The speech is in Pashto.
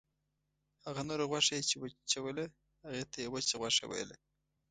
هغه نوره غوښه یې چې وچوله هغې ته یې وچه غوښه ویله.